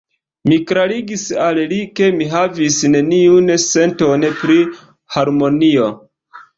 Mi klarigis al li, ke mi havis neniun senton pri harmonio.